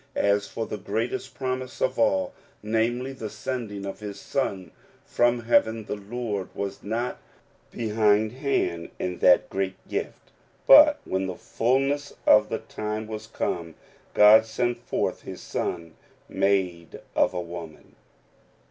As for the greatest promise of all, namely, the sending of his Son from heaven, the Lord was not behind hand in that great gift, "but when the fullness of the time was come, God sent forth his Son, made of a woman."